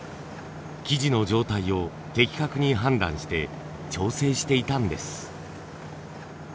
生地の状態を的確に判断して調整していたんです。